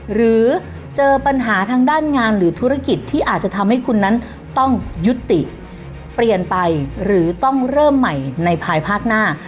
หรือเจอปัญหาทางด้านงานหรือธุรกิจที่อาจจะทำให้คุณนั้นต้องยุติเปลี่ยนไปหรือต้องเริ่มใหม่ในภายภาคหน้า